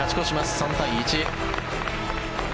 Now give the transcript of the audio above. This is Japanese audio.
３対１。